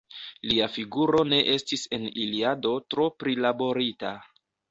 Lia figuro ne estis en Iliado tro prilaborita.